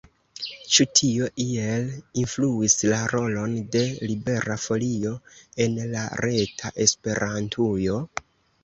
Ĉu tio iel influis la rolon de Libera Folio en la reta Esperantujo?